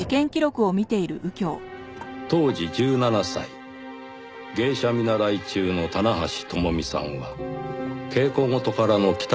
当時１７歳芸者見習い中の棚橋智美さんは稽古事からの帰宅